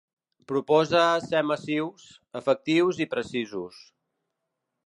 Proposa ser massius, efectius i precisos.